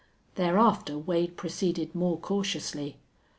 Thereafter Wade proceeded more cautiously.